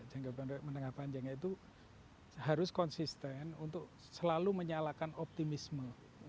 jangka pendek menengah panjangnya itu harus konsisten untuk selalu menyalakan optimisme